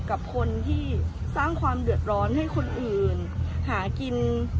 กับคนที่สร้างความเดือดร้อนให้คนอื่นหากิน